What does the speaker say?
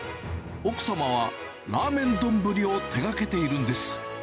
奥様は、ラーメンどんぶりを手がけているんです。